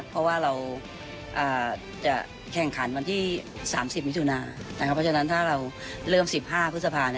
เพราะฉะนั้นถ้าเราเริ่ม๑๕พฤษภาคม